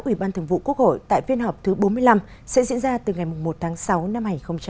ủy ban thường vụ quốc hội tại phiên họp thứ bốn mươi năm sẽ diễn ra từ ngày một tháng sáu năm hai nghìn hai mươi